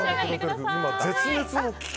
絶滅の危機。